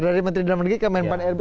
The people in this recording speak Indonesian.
dari menteri luar negeri ke men pan rb